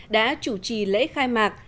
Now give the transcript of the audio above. đã chủ trì lễ khai mạc